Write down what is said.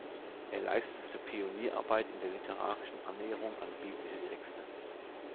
Er leistete Pionierarbeit in der literarischen Annäherung an biblische Texte.